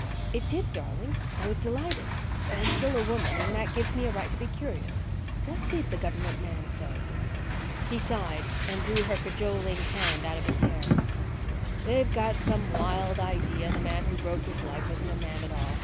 "It did, darling. I was delighted. But I'm still a woman and that gives me a right to be curious. What did the government man say?" He sighed and drew her cajoling hand out of his hair. "They've got some wild idea the man who broke his leg wasn't a man at all.